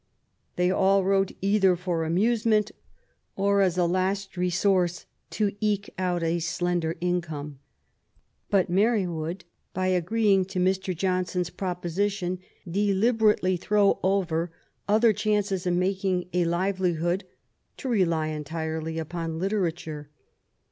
They all wrote either for amusement, or as a last resource to eke out a slender income. But Mary would, by agreeing to Mr. Johnson^s proposi tion, deliberately throw over other chances of making , a livelihood to rely entirely upon literature.